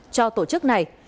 cho tổ chức này